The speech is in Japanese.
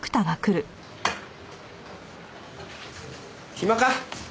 暇か？